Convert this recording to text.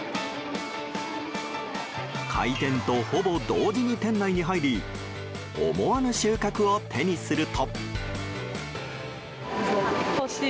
開店とほぼ同時に店内に入り思わぬ収穫を手にすると。